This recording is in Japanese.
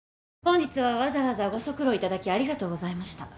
本日はわざわざご足労いただきありがとうございました。